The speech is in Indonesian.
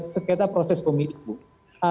sengketa proses pemilihan